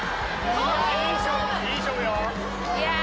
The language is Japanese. いい勝負。